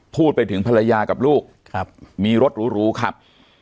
พูดไปถึงภรรยากับลูกครับมีรถหรูขับ